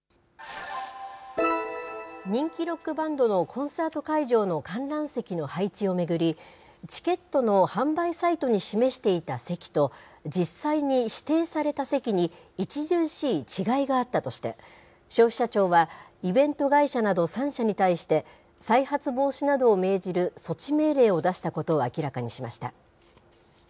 人気ロックバンドのコンサート会場の観覧席の配置を巡り、チケットの販売サイトに示していた席と、実際に指定された席に著しい違いがあったとして、消費者庁はイベント会社など３社に対して、再発防止などを命じる措置命令を出したことを明らかにしました。